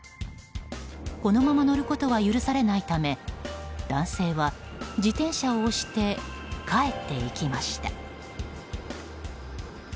このまま乗ることは許されないため男性は自転車を押して帰っていきました。